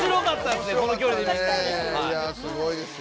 すごいですよ。